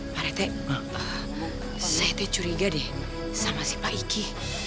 pak rete saya tuh curiga deh sama si pak iki